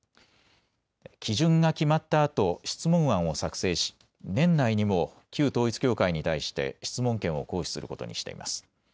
基準が決まったあと質問案を作成し年内にも旧統一教会に対して質問権を行使することにしています。